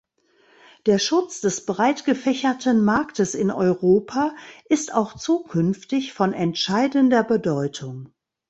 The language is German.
Der Schutz des breit gefächerten Marktes in Europa ist auch zukünftig von entscheidender Bedeutung.